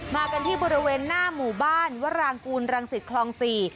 มากันที่บริเวณหน้าหมู่บ้านวรางกูลรังสิตคลองสี่